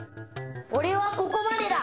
俺はここまでだ。